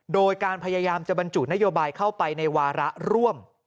โดยการพยายามจะบรรจุนโยบายเข้าไปในวาระร่วม